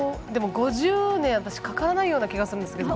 ５０年、かからないような気がするんですけど。